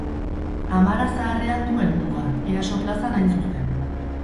Amara Zaharrean du helmuga, Easo plazan hain zuzen.